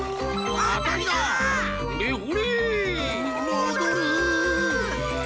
もどる！